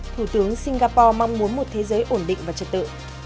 thủ tướng singapore mong muốn một thế giới ổn định và trật tự